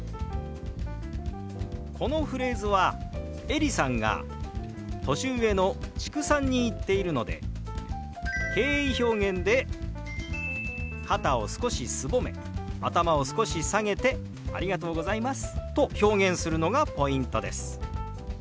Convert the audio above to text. このフレーズはエリさんが年上の知久さんに言っているので敬意表現で肩を少しすぼめ頭を少し下げて「ありがとうございます」と表現するのがポイントです。